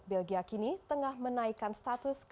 belgia kini tengah menaikkan status